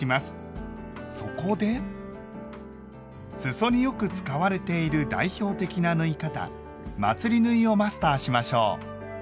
そこですそによく使われている代表的な縫い方「まつり縫い」をマスターしましょう。